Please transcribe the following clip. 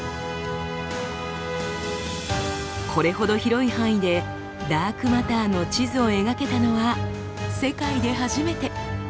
これほど広い範囲でダークマターの地図を描けたのは世界で初めて。